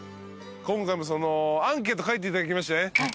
今回もアンケート書いていただきましたよね